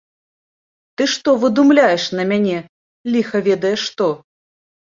Ты што выдумляеш на мяне ліха ведае што.